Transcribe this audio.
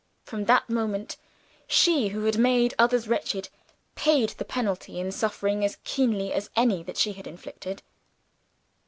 From that moment, she, who had made others wretched, paid the penalty in suffering as keen as any that she had inflicted.